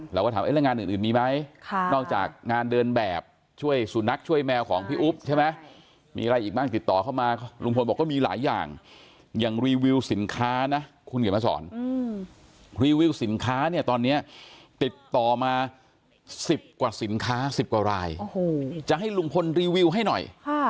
เราก็ถามแรงงานอื่นมีไหมนอกจากงานเดินแบบช่วยสุนัขช่วยแมวของพี่อุ๊บใช่ไหมมีอะไรอีกบ้างติดต่อเข้ามาลุงพลบอกก็มีหลายอย่างอย่างรีวิวสินค้านะคุณเขียนมาสอนรีวิวสินค้าเนี่ยตอนนี้ติดต่อมา๑๐กว่าสินค้า๑๐กว่ารายจะให้ลุงพลรีวิวให้หน่อย